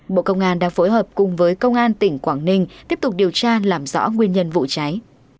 bộ công an đã phối hợp cùng với công an tỉnh quảng ninh tiếp tục điều tra làm rõ nguyên nhân vụ cháy